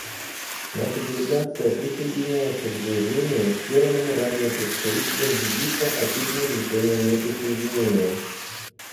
Наша делегация присоединяется к заявлению, сделанному ранее представителем Египта от имени Движения неприсоединения.